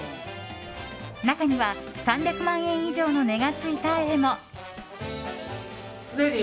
中には３００万円以上の値がついた絵も。